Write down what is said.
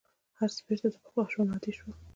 هر څه بېرته د پخوا په شان عادي شول.